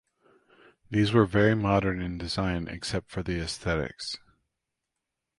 These were very modern in design except for the aesthetics.